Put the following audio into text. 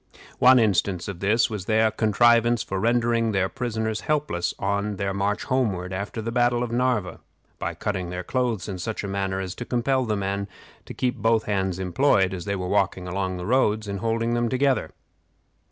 One instance of this was their contrivance for rendering their prisoners helpless on their march homeward after the battle of Narva, by cutting their clothes in such a manner as to compel the men to keep both hands employed, as they walked along the roads, in holding them together.